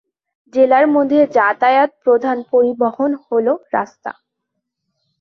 জেলার মধ্যে যাতায়াত প্রধান পরিবহন হল রাস্তা।